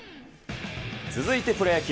続いてプロ野球。